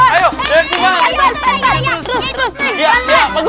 ayo jangan kesimbangan